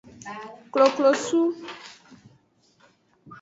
Koklosu.